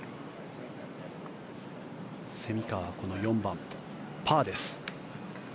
蝉川、この４番パーです。